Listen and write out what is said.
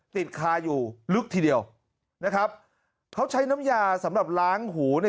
ติดคาอยู่ลึกทีเดียวนะครับเขาใช้น้ำยาสำหรับล้างหูเนี่ย